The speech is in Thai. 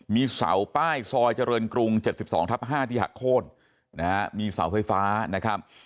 มีเสาป้ายซอยเจริญกรุง๗๒ทับ๕ที่หักโค้นนะฮะมีเสาไฟฟ้านะครับ